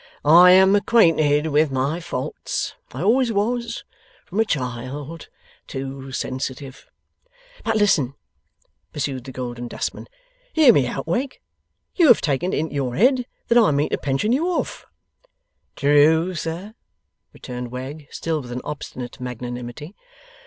'I am acquainted with my faults. I always was, from a child, too sensitive.' 'But listen,' pursued the Golden Dustman; 'hear me out, Wegg. You have taken it into your head that I mean to pension you off.' 'True, sir,' returned Wegg, still with an obstinate magnanimity.